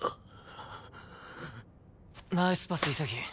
ナイスパス潔。